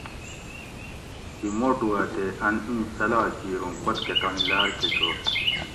دی موٹو ا تے ان ایں صلاح کیر اوں پتکہ تانی لاۤر کہ چوئے